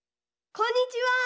こんにちは！